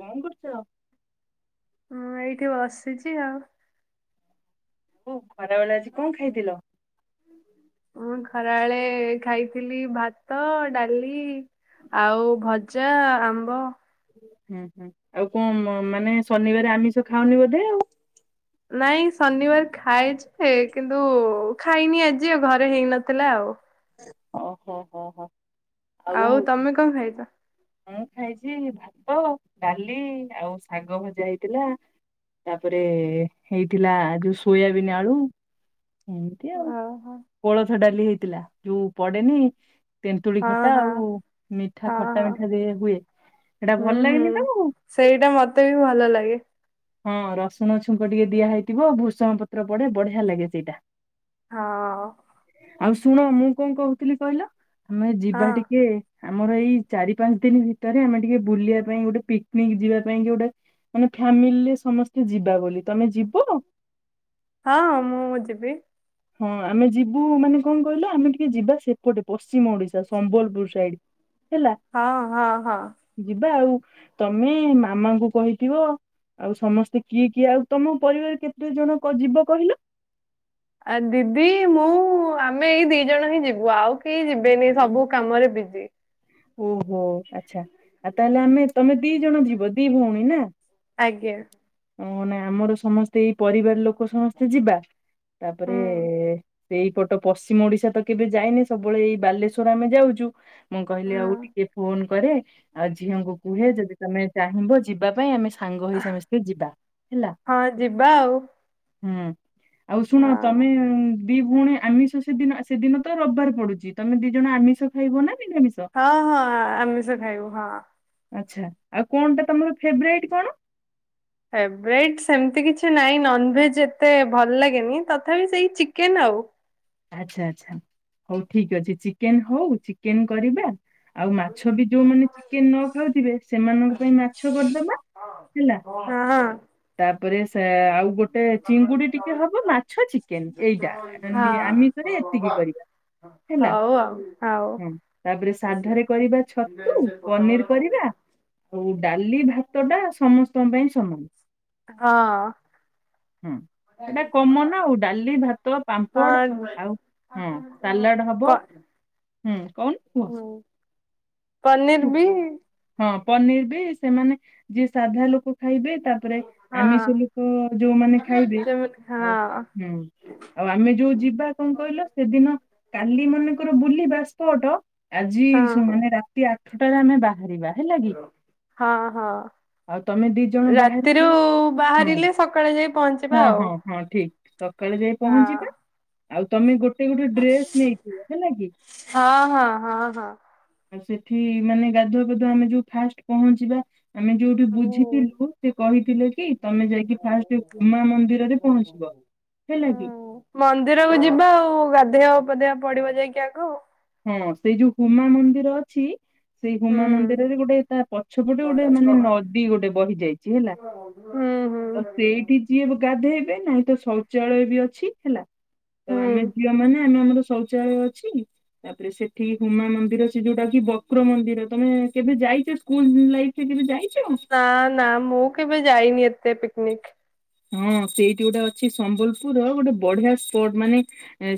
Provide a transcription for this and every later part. କଣ କରୁଛ? ହଁ ଏଇଠି ବସିଛି ଆଉ। ଓ ଖରା ବେଳେ ଆଜି କଣ ଖାଇଥିଲ? ମୁଁ ଖରାବେଳେ ଖାଇଥିଲି ଭାତ, ଡାଲି ଆଉ ଭଜା, ଆମ୍ବ। ହୁଁ ହୁଁ ଆଉ କଣ ମାନେ ଶନିବାର ଆମିଷ ଖାଅନି ବୋଧେ ଆଉ। ନାଇଁ ଶନିବାର ଖାଏ ଯେ କିନ୍ତୁ ଖାଇନି ଆଜି ଆଉ ଘରେ ହେଇନଥିଲା ଆଉ। ଓହୋ ହୋ ହୋ ହୋ। ଆଉ ତମେ କଣ ଖାଇଛ? ମୁଁ ଖାଇଛି ଭାତ, ଡାଲି ଆଉ ଶାଗ ଭଜା ହେଇଥିଲା। ତାପରେ ହେଇଥିଲା ଯୋଉ ସୋୟାବିନ୍ ଆଳୁ। ଏମିତି ଆଉ ଓହୋ ହଁ କୋଳଥ ଡାଲି ହେଇଥିଲା ଯୋଉ ପଡେନି ତେନ୍ତୁଳି ହଁ ଖଟା ହଁ ଆଉ ମିଠା ଖଟା ଖଟା ହଁ ମିଠା ଦିଆ ହୁଏ ସେଟା ହୁଁ ଭଲ ଲାଗେନି ହୁଁ। ତମକୁ? ସେଇଟା ମତେ ବି ଭଲ ଲାଗେ ହଁ ରସୁଣ ଛୁଙ୍କ ଟିକେ ଦିଆହଇଥିବ ଭୂସଙ୍ଗ ପତ୍ର ପଡେ ବଢିଆ ଲାଗେ ସେଇଟା। ହଁ। ଆଉ ଶୁଣ ମୁଁ କଣ କହୁଥିଲି କହିଲ ଆମେ ଯିବା ହଁ ଟିକେ ଆମର ଏଇ ଚାରି ପାଞ୍ଚ ଦିନ ଭିତରେ ଆମେ ଟିକେ ବୁଲିବା ପାଇଁ ଗୋଟେ ପିକନିକ ଯିବା ପାଇଁ କି ଗୋଟେ ମାନେ ଫ୍ୟାମିଲିରେ ସମସ୍ତେ ଯିବା ବୋଲି ତମେ ଯିବ? ହଁ ହଁ ମୁଁ ଯିବି। ହଁ ଆମେ ଯିବୁ ମାନେ କଣ କହିଲ ଆମେ ଟିକେ ଯିବା ସେପଟେ ପଶ୍ଚିମ ଓଡିଶା ସମ୍ବଲପୁର ସାଇଡ। ହେଲା ହ। ହ। ହ। ଯିବା ଆଉ ତମେ ମାମାଙ୍କୁ କହିଥିବ। ଆଉ ସମସ୍ତେ କିଏ କିଏ ଆଉ ତମ ପରିବାର କେତେ ଜଣ କ ଯିବ କହିଲ? ଆ ଦିଦି ମୁଁ ଆମେ ଏଇ ଦି ଜଣ ହିଁ ଯିବୁ ଆଉ କେହି ଯିବେନି ସବୁ କାମରେ ବିଜି। ଓହୋ ଆଛା ଆ ତାହେଲେ ଆମେ ତମେ ଦି ଜଣ ଯିବ। ଦି ଭଉଣୀ ନା। ଆଜ୍ଞା। ଅ ନା ଆମର ସମସ୍ତେ ଏଇ ପରିବାର ଲୋକ ସମସ୍ତେ ଯିବା। ତାପରେ ହୁଁ ଏ ସେ ଏଇପଟ ପଶ୍ଚିମ ଓଡିଶା ତ କେବେ ଯାଇନେ। ସବୁବେଳେ ଏଇ ବାଲେଶ୍ଵର ଆମେ ଯାଉଚୁ। ମୁଁ କହିଲି ଆଉ ହଁ ଟିକେ ଫୋନ କରେ। ଆଉ ଝିଅଙ୍କୁ କୁହେ ଯଦି ତମେ ଚାହିଁବ ଯିବା ପାଇଁ ଆମେ ସାଙ୍ଗ ହୋଇ ସମସ୍ତେ ଯିବା ହେଲା। ହଁ ଯିବା ଆଉ ହୁଁ। ଆଉ ଶୁଣ ତମେ ଉଁ ଦି ଭଉଣୀ ଆମିଷ ସେଦିନ ସେଦିନ ତ ରବିବାର ପଡୁଚି। ତମେ ଦି ଜଣ ଆମିଷ ଖାଇବ ନା ନିରାମିଷ? ହ ହ ଆମିଷ ଖାଇବୁ ହିଁ। ଆଚ୍ଛା ଆଉ କଣ ଟା ତମର ଫେବରାଇଟ୍ କଣ? ଫେବ୍ରାଇଟ ସେମତି କିଛି ନାଇଁ ନନଭେଜ ଏତେ ଭଲ ଲାଗେନି ତଥାପି ସେଇ ଚିକେନ ଆଉ। ଆଚ୍ଛା ଆଚ୍ଛା ହଉ ଠିକ୍ ଅଛି। ଚିକେନ ହଉ, ଚିକେନ କରିବା ଆଉ ମାଛ ବି ଯୋଉମାନେ ଚିକେନ ନ ଖାଉଥିବେ ସେମାନଙ୍କ ପାଇଁ ମା - ଛ କରିଦେବା ହେଲା। ହଁ ହଁ ତାପରେ ସେ ଆଉ ଗୋଟେ ଚିଙ୍ଗୁଡି ଟିକେ ହବ ମାଛ ଚି - କେନ୍ ଏଇଟା ନି ଆମିଷରେ ଏତିକି କରିବା। ହେଲା। ହଉ ଆଉ ହଉ ହୁଁ, ତାପରେ ସାଧାରେ କରିବା ଛତୁ ପନିର କରିବା। ଆଉ ଡାଲି ଭାତ ଟା ସମସ୍ତଙ୍କ ପାଇଁ ସମାନ। ହୁଁ। ସେଟା କମନ ଆଉ ଡାଲି, ଭାତ, ପାମ୍- ମ୍ପଡ ହଁ ହଁ। ଆଉ ହଁ ସାଲାଡ ପ ହବ। ହୁଁ କହୁନ କୁହ। ହୁଁ ପନିର ବି- ହଁ ପନିର ବି ସେମାନେ ଯିଏ ସାଧା ଲୋକ ଖାଇବେ ତାପରେ ହଁ ଆମିଷ ଲୋକ ଯୋଉମାନେ ଖାଇବେ। ଯେମିତି ଆଉ ହଁ ହୁଁ। ଆଉ ଆମେ ଯୋଉ ଯିବା କଣ କହିଲ ସେଦିନ କାଲି ମନେକର ବୁଲିବା ସ୍ଟଟ ଆଜି ହଁ ସୁଁ ମାନେ ରାତି ଆଠଟାରେ ଆମେ ବାହାରିବା ହେଲା କି? ହଁ ହଁ। ଆଉ ତମେ ଦି ଜଣ ରାତିରୁ ବାହାରିଥିବ ହଁ ବାହାରିଲେ ସକାଳେ ଯାଇ ପହଞ୍ଚିବା ହଁ ଆଉ। ହଁ ହଁ ଠିକ ସକାଳେ ଯାଇ ହଁ। ପହଞ୍ଚିବା। ଆଉ ତମେ ଗୋଟେ ଗୋଟେ ଡ୍ରେସ ନେଇଥିବ ହେଲା କି? ହଁ। ହଁ। ହଁ। ହଁ। ଆଉ ସେଠି ମାନେ ଗାଧୁଆ ପାଧୁଆ ଆମେ ଯୋଉ ଫାଷ୍ଟ ପହଞ୍ଚିବା ଆମେ ଯୋଉଠୁ ବୁଝିଥିଲୁ ସେ କହିଥିଲେ କି ତମେ ଯାଇକି ଫାଷ୍ଟ ଉମା ମନ୍ଦିରରେ ପହଞ୍ଚିବ। ହେଲା କି? ମନ୍ଦିରକୁୁ ଯିବା ଆଉ ଗାଧେଆ ପାଧେଆ ପଡିବ ଯାଇକି ଆଗ। ହଁ ସେଇ ଯୋଉ ହୁମା ମନ୍ଦିର ଅଛି ସେଇ ହୁମା ହୁଁ ମନ୍ଦିରରେ ଗୋଟେ ତା ପଛପଟେ ଗୋଟେ ମାନେ ନଦୀ ଗୋଟେ ବହି ଯାଇଚି ହେଲା। [unintelligible] ତ ସେଇଠି ଯିଏ ବ ଗାଧେଇବେ ନାହିଁ ତ ଶୌଚାଳୟ ବି ଅଛି ହେଲା। ତ ହୁଁ। ଆମେ ଝିଅ ମାନେ ଆମେ ଆମର ଶୌଚାଳୟ ଅଛି। ତାପରେ ସେଠି ହୁମା ମନ୍ଦିର ସେ ଯୋଉଟା କି ବକ୍ର ମନ୍ଦିର। ତମେ କେବେ ଯାଇଚ ସ୍କୁଲ ଲାଇଫରେ କେବେ ଯାଇ ନାନ୍ ନା ମୁଁ କେବେ ଯାଇନି ଏତେ ପିକନିକ। ହଁ ସେଇଠି ଗୋଟେ ଅଛି ସମ୍ବଲପୁର, ଗୋଟେ ବଢିଆ ସ୍ପଟ ମାନେ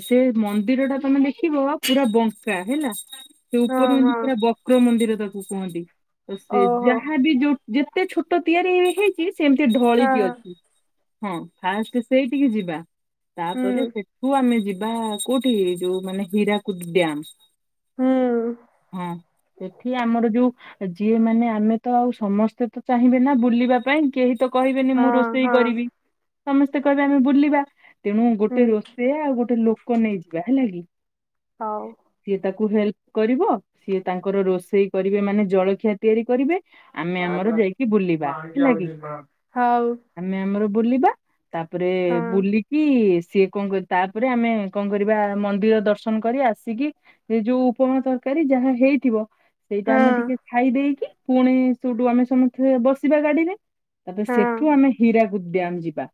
ସେ ମନ୍ଦିରଟା ତମେ ଦେଖିବ ପୁରା ବଙ୍କା, ହେଲା। ସେ ହଁ ଉପରୁ ଏନ୍ତି ହଁ ପୁରା ବକ୍ର ମନ୍ଦିର ତାକୁ କୁହନ୍ତି। ତ ସେ ଓହୋ। ଯାହାବି ଯୋଉ ଯେତେ ଛୋଟ ତିଆରି ହେଇଛି ସେମିତି ହଁ ଢଳିକି ହଁ ଅଛି। ହଁ ଫାଷ୍ଟ ସେଇଠିକି ଯିବା। ହୁଁ ତାପରେ ସେଠୁ ଆମେ ଯିବା କୋଉଠି? ଯୋଉ ମାନେ ହୀରାକୁଦ ଡ୍ୟାମ। ହୁଁ ହଁ ସେଠି ଆମର ଯୋଉ ଯିଏ ମାନେ ଆମେ ତ ଆଉ ସମସ୍ତେ ତ ଚାହିଁବେ ନା ବୁଲିବା ପାଇଁ। କେହି ତ କହିବେନି ମୁଁ ହଁ ରୋଷ ରୋଷେଇ ହଁ କରିବି। ସମସ୍ତେ କହିବେ ଆମେ ବୁଲିବା। ତେଣୁ ହୁଁ ଗୋଟେ ରୋଷେଇଆ ଆଉ ଗୋଟେ ଲୋକ କୁ ନେଇଯିବା। ହେଲା କି? ହଉ। ସିଏ ତାକୁ ହେଲ୍ପ କରିବ। ସିଏ ତାଙ୍କର ରୋଷେଇ କରିବେ ମାନେ ଜଳଖିଆ ତିଆରି କରିବେ। ଆମେ ଆମର ଯାଇକି ବୁଲିବା। ହେଲା କି? ହଉ। ଆମେ ଆମର ବୁଲିବା। ତାପରେ ହଁ ବୁଲିକି ସିଏ କଣ କରି, ତାପରେ ଆମେ କଣ କରିବା ମନ୍ଦିର ଦର୍ଶନ କରି ଆସିକି ହେଇ ଯୋଉ ଉପମା ତରକାରୀ ଯାହା ହେଇଥିବ ସେଇଠୁ ଆମେ ହଁ ଟିକେ ଖାଇ ଦେଇକି ପୁ, ଣି ସେଠୁ ଆମେ ସମସ୍ତେ ବସିବା ଗାଡିରେ। ତାପରେ ହଁ ସେଠୁ ଆମେ ହୀରାକୁଦ ଡ୍ୟାମ ଯିବା,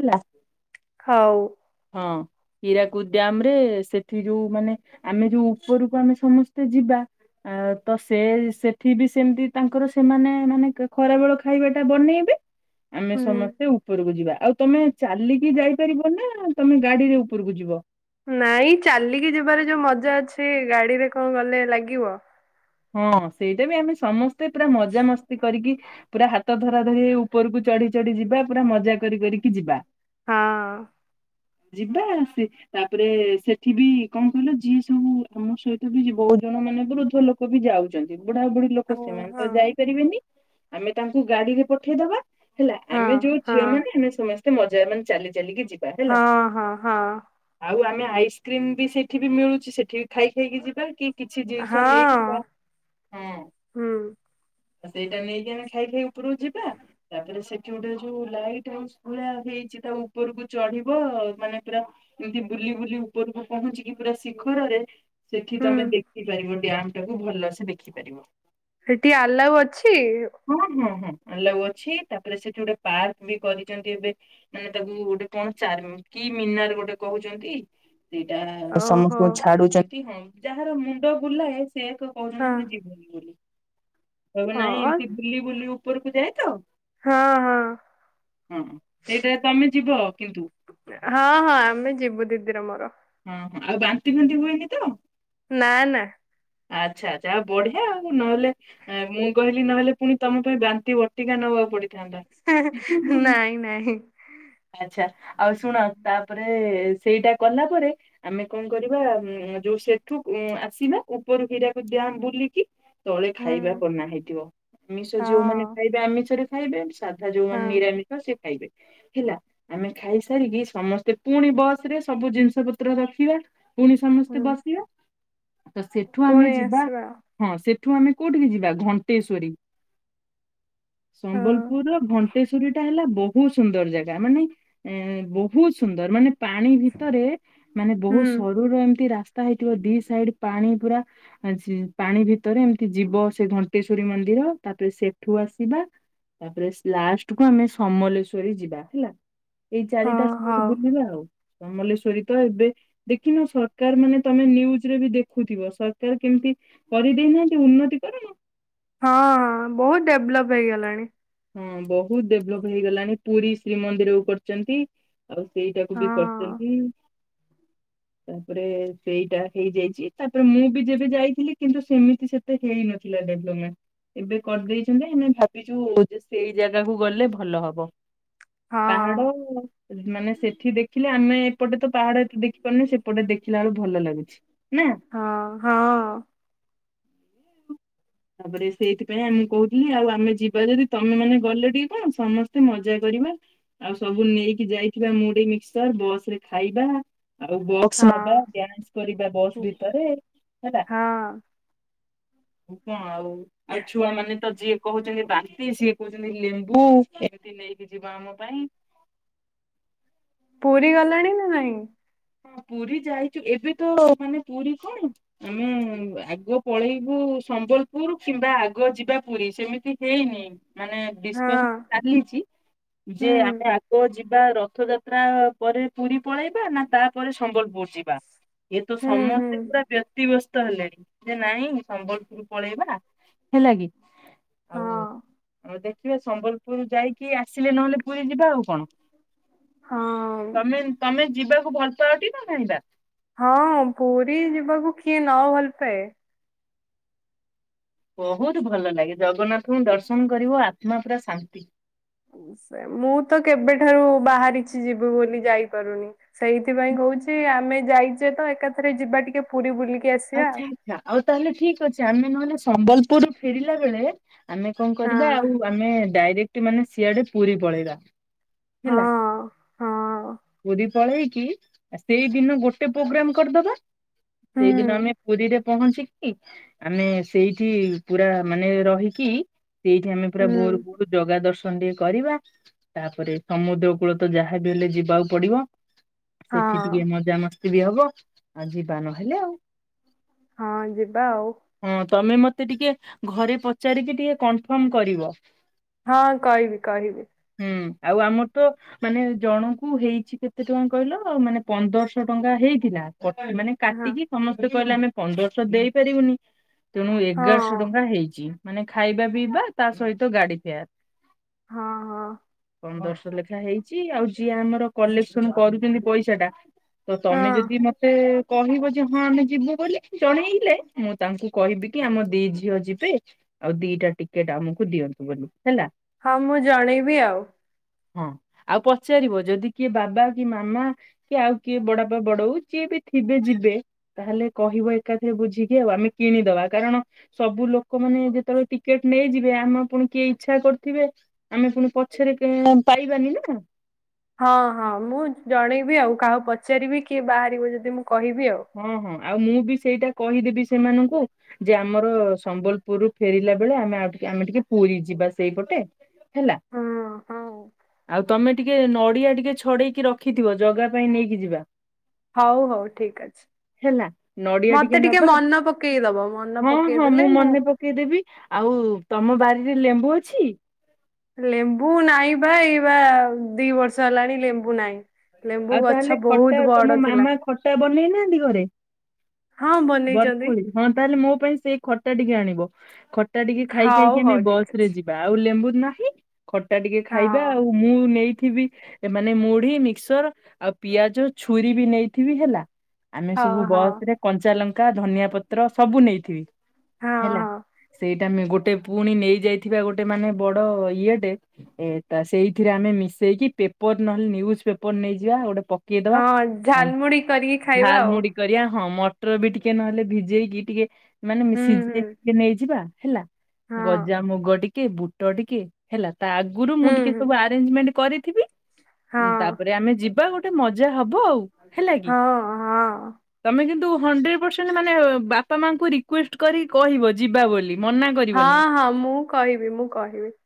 ହେଲା। ହଉ। ହଁ। ହୀରାକୁଦ ଡ୍ୟାମ ରେ ସେଠି ଯୋଉ ମାନେ ଆମେ ଯୋଉ ଉପରକୁ ଆମେ ସମସ୍ତେ ଯିବା ଆ ତ ସେ ସେଠି ବି ସେମତି ତାଙ୍କର ସେମାନେ ମାନେ ଖରାବେେଳ ଖାଇବା ଟା ବନେଇବେ। ଆମେ ହୁଁ। ସମସ୍ତେ ଉପରକୁ ଯିବା। ଆଉ ତମେ ଚାଲିକି ଯାଇପାରିବ ନା, ତମେ ଗାଡିରେ ଉପରକୁ ଯିବ? ନାଇଁ ଚାଲିକି ଯିବାରେ ଯୋଉ ମଜା ଅଛି ଗାଡିରେ କଣ ଗଲେ ଲାଗିବ? ହଁ ସେଇଟା ବି ଆମେ ସମସ୍ତେ ପୁରା ମଜାମସ୍ତି କରିକି ପୁରା ହାତ ଧରା ଧରି ହେଇ ଉପରକୁ ଚଢି ଚଢି ଯିବା। ପୁରା ମଜା କରି କରିକି ଯିବା। ହଁ। ଯିବା, ଆସି ତାପରେ ସେଠି ବି କଣ କହିଲ ଯିଏ ସବୁ ଆମ ସହିତ ବି ବହୁତ ଜଣ ମାନେ ଯୋଉ ଲୋକ ଲୋକ ବି ଯାଉଛନ୍ତି। ବୁଢା ବୁଢୀ ଲୋକ ହଁ ସେମାନେ ତ ହଁ ଯାଇପାରିବେନି। ଆମେ ତାଙ୍କୁ ଗାଡିରେ ପଠେଇଦବା। ହେଲା। ହଁ ଆମେ ଯୋଉ ହଁ ଝିଅ ମାନେ ଆମେ ସମସ୍ତେ ମଜା ମାନେ ଚାଲି ଚାଲିକି ଯିବା। ହଁ, ହେଲା ହଁ, ହଁ। ଆଉ ଆମେ ଆଇସ୍କ୍ରିମ ବି ସେଠି ବି ମିଳୁଛି, ସେଠି ବି ଖାଇ ଖାଇକି ଯିବା। କି କିଛି ଜିନିଷ ନେଇକି ଆଁ ହୁଁ। ତ ସେଇଟାକୁ ନେଇକି ଆମେ ଖାଇ ଖାଇ ଉପରକୁ ଯିବା। ତାପରେ ସେଠି ଗୋଟେ ଯୋଉ ଲାଇଟ ହାଉସ ପୁରା ହେଇଛି ତା ଉପରକୁ ଚଢିବ, ମାନେ ପୁରା ଏମିତି ବୁଲି ବୁଲି ଉପରକୁ ପହଞ୍ଚିକି ପୁରା ଶିଖରରେ ସେଠି ହୁଁ ତମେ ଦେଖିପାରିବ ଡ୍ୟାମ ଟାକୁ। ଭଲସେ ଦେଖିପାରିବ। ହେଠି ଆଲାଉ ଅଛି? ହୁଁ -ହୁଁ -ହୁଁ, ଆଲାଉ ଅଛି। ତାପରେ ସେଠି ଗୋଟେ ପାର୍କ ବି କରିଛନ୍ତି ଏବେ ମାନେ ତାକୁ ଗୋଟେ କଣ ଚାରମ କି ମିନାର ଗୋଟେ କହୁଛନ୍ତି? ସେଇଟା ଓହୋ ସମସ୍ତଙ୍କୁ ଛାଡୁଛନ୍ତି ହଁ ଯାହାର ମୁଣ୍ଡ ବୁଲାଏ ସେ ଏକ କହୁଛନ୍ତି ହଁ ଆମେ ଯିବୁନି ବୋଲି। ନହେଲେ ହଁ ନାଇଁ ହଁ ଏମତି ବୁଲିବୁ ବୁଲି ଉପରକୁ ଯାଏ ତ, ହଁ ହଁ ହଁ ସେଇଟାକୁ ଆମେ ଯିବ କିନ୍ତୁ। ହଁ ହଁ ଆମେ ଯିବୁ ଦିଦିର ମୋର। ହଁ ହଁ। ଆଉ ବାନ୍ତି ଫାନ୍ତି ହୁଏନି ତ? ନା ନା। ଆଚ୍ଛା। ଯାହା ହଉ ବଢିଆ ଆଉ। ନହେଲେ ମୁଁ କହିଲି ନହେଲେ ପୁଣି ତମ ପାଇଁ ବାନ୍ତି ବଟିକା ନବାକୁ ପଡିଥାନ୍ତା। ନାଇଁ ନାହିଁ। ଆଚ୍ଛା। ଆଉ ଶୁଣ ତାପରେ ସେଇଟା କଲା ପରେ ଆମେ କଣ କରିବା ଯୋଉ ସେଠୁ ଆସିବା ଉପରୁ ହିରାକୁଦ ଡ଼୍ୟାମ୍ ବୁଲିକି ତଳେ ହୁଁ ଖାଇବା ବନା ହେଇଥିବ। ଆମିଷ ଯୋଉମାନେ ହଁ ଖାଇବେ ଆମିଷରେ ଖାଇବେ। ସାଧା ଯୋଉମାନେ ହଁ ନିରାମିିଷ ସେ ଖାଇବେ। ହେଲା। ଆମେ ଖାଇସାରିକି ସମସ୍ତେ ପୁଣି ବସ୍ ରେ ସବୁ ଜିନିଷ ପତ୍ର ରଖିବା। ପୁଣି ସମସ୍ତେ ହୁଁ ବସିବା। ତ ସେଠୁ ଆମେ ପୁଣି ଯିବା ଆସିବା ହଁ ସେଠୁ ଆମେ କୋଉଠିକି ଯିବା ଘଣ୍ଟେଶ୍ଵରୀ। ହଁ ସମ୍ବଲପୁରର ଘଣ୍ଟେଶ୍ଵରୀ ଟା ହେଲା ବ ବହୁତ୍ ସୁନ୍ଦର ଜାଗା। ମାନେ ଏ ବହୁତ ସୁନ୍ଦର। ମାନେ ପାଣି ଭିତରେ ମାନେ ହୁଁ ବହୁତ୍ ସରୁର ଏମିତି ରାସ୍ତା ହେଇଥିବ ଦି ସାଇଡ୍ ପାଣି ପୁରା ଆ ସେ ପାଣି ଭିତରେ ଏମତି ଯିବ ସେ ଘଣ୍ଟେଶ୍ଵରୀ ମନ୍ଦିର, ତାପରେ ସେଠୁ ଆସିବା ତାପରେ ଲାଷ୍ଟକୁ ଆମେ ସମଲେଶ୍ୱରୀ ଯିବା ହେଲା। ଦି ହଁ ଚାରିଟା ସ୍ପୁଟ୍ ହଉ ବୁଲିବା ଆଉ। ସମଲେଶ୍ଵରୀ ତ ଏବେ ଦେଖିନ ସରକାର ମାନେ ତମେ ନ୍ଯୁଜରେ ବି ଦେଖୁଥିବ ସରକାର କେମତି କରିଦେଇନାହାନ୍ତି ଉନ୍ନତି କରଣ। ହଁ ବହୁତ ଡେଭଲପ୍ ହେଇଗଲାଣି। ହଁ ବହୁତ ଡେଭଲପ୍ ହେଇଗଲାଣି। ପୁରୀ ଶ୍ରୀମନ୍ଦିରକୁ କରୁଚନ୍ତି। ଆଉ ସେଇଟାକୁ ବି ହଁ କରିଛନ୍ତି। ତାପରେ ସେଇଟା ହେଇଯାଇଚି। ତାପରେ ମୁଁ ବି ଯେବେ ଯାଇଥିଲି କିନ୍ତୁ ସେମିତି ସେ ହେଇନଥିଲା ଡେଭଲପମେଣ୍ଟ। ଏବେ କରିଦେଇଛନ୍ତି। ଆମେ ଭାବିଚୁ ଯେ ସେଇ ଜାଗାକୁ ଗଲେ ଭଲ ହବ। ହଁ ପାହାଡ ମାନେ ସେଠି ଦେଖିଲେ ଆମେ ଏପଟେ ତ ପାହାଡ ଦେ ଦେଖିପାରୁନୁ। ସେପଟେ ଦେଖିଲା ବେଳକୁ ଭଲ ଲାଗୁଚି ନା। ହଁ ହଁ। ତାପରେ ସେଇଥିପାଇଁ ଆ ମୁଁ କହୁଥିଲି ଆଉ ଆମେ ଯିବା ଯଦି ତମେ ମାନେ ଗଲେ ଟିକେ କଣ ସମସ୍ତେ ମଜା କରିବା। ଆଉ ସବୁ ନେଇକି ଯାଇଥିବା ମୁଡି ମିକ୍ସଚର ବସ୍ ରେ ଖାଇବା। ଆଉ ବକ୍ସ ନବା ହଁ ଡ୍ୟାନ୍ସ କରିବା ବସ୍ ଭିତରେ ହେଲା। ହଁ ଆଉ କଣ ଆଉ, ଆଉ ଛୁଆମାନେ ତ ଯି କହୁଛନ୍ତି ବାନ୍ତି ସିଏ କହୁଛନ୍ତି ଲେମ୍ବୁ, ଏମତି ନେଇକି ଯିବା ଆମପାଇଁ। ପୁରୀ ଗଲେଣି ନା ନାଇଁ? ପୁରୀ ଯାଇଚୁ ଏବେ ତ ମାନେ ପୁରୀ କଣ ମୁଁ ଆଗ ପଳେଇବୁ ସମ୍ବଲପୁର କିମ୍ବା ଆଗ ଯିବା ପୁରୀ ସେମିତି ହେଇନି। ମାନେ ହଁ ଡିସ୍କକସନ ଚାଲିଚି ଯେ ହୁଁ ଆମେ ଆଗ ଯି ବା ରଥଯାତ୍ରା ପରେ ପୁରୀ ପଳେଇବା ନା ତାପରେ ସମ୍ବଲପୁର ଯିବା। ଇଏ ତ ହୁଁ ହୁଁ ସମସ୍ତେ ପୁରା ବ୍ୟତିବ୍ୟସ୍ତ ହେଲେଣି। ଯେ ନାଇଁ ସମ୍ବଲପୁର ପଳେଇବା ହେଲା କି। ଆଉ ହଁ ଦେଖିବା ସମ୍ବଲପୁର ଯାଇକି ଆସିଲେ ନହଲେ ପୁରୀ ଯିବା ଆଉ କଣ। ହଁ। ତମେ ତମେ ଯିବାକୁ ଭଲ ପାଅ ଟି ନା ନାଇବା। ହଁ ପୁରୀ ଯିବାକୁ କିଏ ନ ଭଲ ପାଏ। ବହୁତ ଭଲ ଲାଗେ ଜଗନ୍ନାଥଙ୍କୁ ଦର୍ଶନ କରିବ ଆତ୍ମା ପୁରା ଶାନ୍ତି। ସେ ମୁଁତ କେବେଠାରୁ ବାହାରିଛି ଯିବୁ ବୋଲି ଯାଇପାରୁନି। ସେଇଥିପାଇଁ କହୁଛି ଆମେ ଯାଇଚେ ତ ଏକାଥରେ ଯିବା ଟିକେ ପୁରୀ ବୁଲିକି ଆସିବା। ଆଚ୍ଛା ଆଚ୍ଛା ଆଉ ତାହେଲେ ଠିକ ଅଛି ଆମେ ନହେଲେ ସମ୍ବଲପୁରରୁୁ ଫେରିଲା ବେଳେ ଆମେ କଣ ହଁ କରିବା ଆଉ ଆମେ ଡାଇରେକ୍ଟ ମାନେ ସିଆଡେ ପୁରୀ ପଳେଇବା। ହଁ ହେଲା ହଁ ପୁରୀ ପଳେଇକି ସେଇଦିନ ଗୋଟେ ପୋଗ୍ରାମ କରିଦବା ହୁଁ ସେଇ ଦି ରେ ପହଞ୍ଚିକି ଆମେ ସେଇଠି ପୁରା ମାନେ ରହିକି ସେଇଠି ଆମେ ପୁରା ହୁଁ ଭୋର ଭୋର ଜଗା ଦର୍ଶନ ଟିକେ କରିବା। ତାପରେ ସମୁଦ୍ର କୂଳ ତ ଯାହାବି ହେଲେ ଯିବାକୁ ପଡିବ। ସେଠି ହଁ ଟିକେ ମଜାମସ୍ତି ବି ହବ ଆଉ ଯିବା ନହେଲେ ଆଉ। ହଁ ଯିବା ଆଉ। ହଁ ତମେ ମତେ ଟିକେ ଘରେ ପଚାରିକି ଟିକେ କନଫର୍ମ କରିବ। ହଁ କଇବିି କହିବିି। ହୁଁ ଆଉ ଆମର ତ ମାନେ ଜଣଙ୍କୁ ହେଇଛି କେତେ ଟଙ୍କା କହିଲ ମାନେ ପନ୍ଦରଶହ ଟଙ୍କା ହେଇଥିଲା କଟ ମାନେ ହଁ କାଟିକି ସମସ୍ତେ କହିଲେ ଆମେ ପନ୍ଦରଶହ ଦେଇ ପାରିବୁନି। ତେଣୁ ହଁ ଏଗାରଶ ଟଙ୍କା ହେଇଛି ମାନେ ଖାଇବା ପିଇବା ତା ସହିତ ଗାଡି ଫେୟାର। ହଁ ହଁ। ପନ୍ଦରଶ ଲେଖା ହେଇଛି ଆଉ ଯିଏ ଆମର କଲେକ୍ସନ କରୁଛନ୍ତି ପଇସା ଟା ତ ତମେ ହଁ ଯଦି ମତେ କହିବ ଯେ ହଁ ଆମେ ଯିବୁ ବୋଲି ଜଣେଇଲେ ମୁଁ ତାଙ୍କୁ କହିବି କି ଆମ ଦି ଝିଅ ଯିବେ ଆଉ ଦିଟା ଟିକେଟ ଆମକୁ ଦିଅନ୍ତୁ ବୋଲି ହେଲା। ହଁ ମୁଁ ଜଣେଇବି ଆଉ। ହଁ ଆଉ ପଚାରିବ ଯଦି କିଏ ବାବା କି ମାମା କି ଆଉ କିଏ ବଡାପା ବଡଉ ଯିଏ ବି ଥିବେ ଯିବେ। ତାହେଲେ କହିବ ଏକାଥରେ ବୁଝିକି ଆଉ ଆମେ କିଣିଦବା କାରଣ ସବୁ ଲୋକମାନେ ଯେତେବେଳେ ଟିକେଟ ନେଇଯିବେ ଆମ ପୁଣି କିଏ ଇଚ୍ଛା କରିଥିବେ। ଆମେ ପୁଣି ପଛରେ ପାଇବାନି ନା। ହଁ ହଁ ମୁଁ ଜଣେଇବି ଆଉ କାହାକୁ ପଚାରିବି କିଏ ବାହାରିବ ଯଦି ମୁଁ କହିବି ଆଉ। ହଁ ହଁ ଆଉ ମୁଁ ବି ସେଇଟା କହିଦେବି ସେମାନଙ୍କୁ। ଯେ ଆମର ସମ୍ବଲପୁରରୁୁ ଫେରିଲା ବେଳେ ଆମେ ଆମେ ଟିକେ ପୁରୀ ଯିବା ସେଇପଟେ। ହେଲା, ହୁଁ ହୁଁ ଆଉ ତମେ ଟିକେ ନଡିଆ ଟିକେ ଛ ଛଡେଇକି ରଖିଥିବ ଜଗା ପାଇଁ ନେଇକି ଯିବା। ହଉ ହଉ ଠିକ ଅଛି। ହେଲା ନଡିଆ ମତେ ଟିକେ ନବା ମନ ପକେଇ ଦବ ମନ ହଁ ହଁ ପକେଇଦେଲେ ମୁଁ ମନେ ପକେଇଦେବି, ଆଉ ତମ ବାରିରେ ଲେମ୍ବୁ ଅଛି? ଲେମ୍ବୁ ନାଇଁ ପା ଇଏ ବା ଦି ବର୍ଷ ହେଲାଣି ଲେମ୍ବୁ ନାଇଁ। ଆଉ ତାହେଲେ ଖଟା ତମ ଥିଲା ମାମା ଖଟା ବନେଇନାହାନ୍ତି ଘରେ? ହଁ ବନେଇଛନ୍ତି। ବରକୋଳି ହଁ ତାହେଲେ ମୋ ପାଇଁ ସେଇ ଖଟା ଟିକେ ଆଣିବ ଖଟା ଟିକେ ଖାଇ ହଉ ଖାଇକି ଆମେ ହଉ ଠିକ୍ ବସ ରେ ଅଛି ଯି ବା ଆଉ ଲେମ୍ବୁ ନାହିଁ ଖଟା ଟିକେ ହଁ ଖାଇବା ଆଉ ମୁଁ ନେଇଥିବି ଏମାନେ ମୁଢି ମିକ୍ସର ଆଉ ପିଆଜ ଛୁରୀ ବି ନେଇଥିବି ହେଲା। ଆମେ ସବୁ ହଁ ହଁ। ବସ୍ ରେ କଞ୍ଚା ଲଙ୍କା ଧନିଆ ପତ୍ର ସବୁ ନେଇଥିବି। ହଁ ହେଲା ହଁ ସେଇ ମେ ଗୋଟେ ପୁଣି ନେଇ ଯାଇଥିବା ଗୋଟେ ମାନେ ବଡ ଇଏଟେ ଏ ତା ସେଇଥିରେ ଆମେ ମିଶେଇକି ପେପର୍ ନହେଲେ ନିୟୁଜ୍ ପେପର ନେଇଯିବା ଗୋଟେ ପ କେଇଦବା ହଁ ହଁ ଝାଲମୁଢି କରିକି ଖାଇବା ଝାଲ ଆଉ ମୁଢ଼ି କରିବା ହଁ ମଟର ବି ଟିକେ ନହେଲେ ଭିଜେଇକି ଟିକେ ମାନେ ମି ହୁଁ ସିଝେଇ ହୁଁ। ଟି ନେଇଯିବା ହେଲା। ହଁ ଗଜା ମୁଗ ଟିକେ ବୁଟ ଟିକେ ହେଲା ତା ଆଗରୁ ମୁଁ ହୁଁ ଟିକେ ହୁଁ ସବୁ ଆ ଆରେଞ୍ଜମେଣ୍ଟ୍ କରିଥିବି ଉଁ, ତାପରେ ହଁ ଆମେ ଯିବା ଗୋଟେ ମଜା ହବ ଆଉ ହେଲା କି। ହଁ ହଁ। ତମେ କିନ୍ତୁ ହଣ୍ଡ୍ରେଡ ପରସେଣ୍ଟ ମାନେ ବାପା ମାଙ୍କୁ ରିକ୍ଯୁଏଷ୍ଟ କରି କହିବ ଯିବା ବୋଲି ମନା କରିବନି। ହଁ ହଁ ମୁଁ କହିବି ମୁଁ କହିବି।